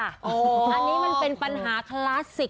อันนี้มันเป็นปัญหาคลาสสิก